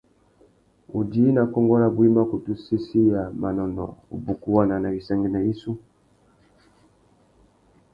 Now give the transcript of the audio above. Udjï nà kônkô rabú i mà kutu sésséya manônōh, wubukuwana na wissangüena yissú.